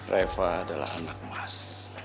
reva adalah anak mas